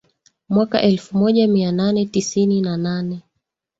Mwaka elfu moja mia nane tisini na nane